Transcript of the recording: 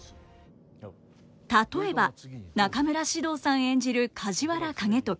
例えば中村獅童さん演じる梶原景時。